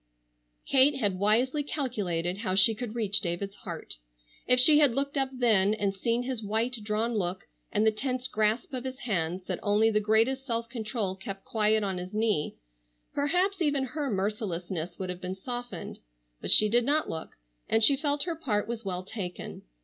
Kate had wisely calculated how she could reach David's heart. If she had looked up then and seen his white, drawn look, and the tense grasp of his hands that only the greatest self control kept quiet on his knee, perhaps even her mercilessness would have been softened. But she did not look, and she felt her part was well taken.